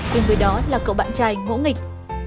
cùng với đó là cậu bạn trai ngỗ nghịch